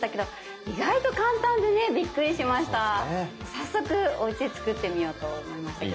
早速おうちで作ってみようと思いましたけど。